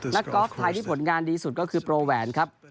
กอล์ฟไทยที่ผลงานดีสุดก็คือโปรแหวนครับ